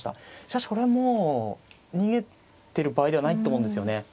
しかしこれはもう逃げてる場合ではないと思うんですよね。